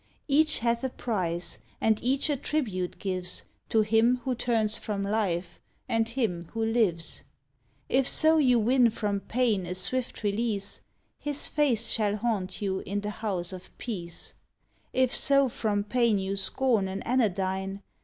Each hath a price, and each a tribute gives To him who turns from life and him who lives. If so you win from Pain a swift release, His face shall haunt you in the house of Peace; If so from Pain you scorn an anodyne.